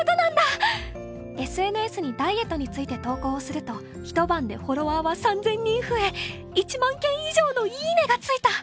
ＳＮＳにダイエットについて投稿をすると一晩でフォロワーは３０００人増え、一万件以上の『いいね！』がついた。